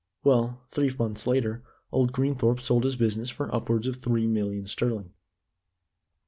Well, three months later, old Greenthorpe sold his business for upwards of three million sterling.